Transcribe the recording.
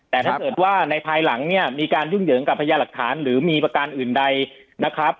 แต่ถ้าเกิดว่าในภายหลังเนี่ยมีการยุ่งเหยิงกับพญาหลักฐานหรือมีประการอื่นใดนะครับ